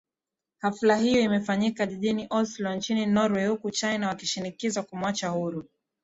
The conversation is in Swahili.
hafla hiyo imefanyika jijini oslo nchini norway huku china wakishinikizwa kumwachia huru